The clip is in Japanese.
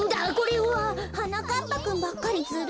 はなかっぱくんばっかりずるい！